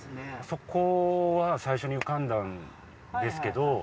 そこは最初に浮かんだんですけど。